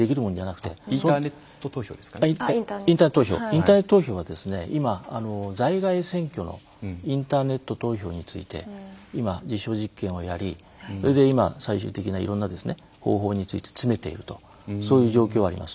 インターネット投票は今在外選挙のインターネット投票について今実証実験をやりそれで今最終的ないろんな方法について詰めているとそういう状況があります。